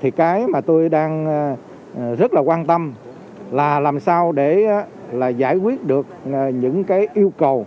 thì cái mà tôi đang rất là quan tâm là làm sao để giải quyết được những cái yêu cầu